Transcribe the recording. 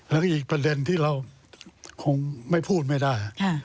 แล้วก็อีกประเด็นที่เราคงไม่พูดไม่ได้